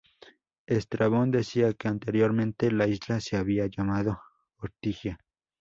Estrabón decía que anteriormente la isla se había llamado Ortigia.